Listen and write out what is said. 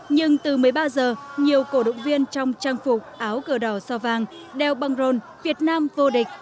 nhưng từ một mươi ba giờ nhiều cổ động viên trong trang phục áo cờ đỏ sao vàng đeo băng rôn việt nam vô địch